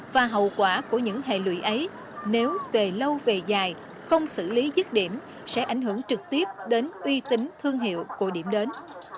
và hậu quả của những hệ lụy ấy nếu về lâu về dài không xử lý dứt điểm sẽ ảnh hưởng trực tiếp đến uy tín thương hiệu của điểm đến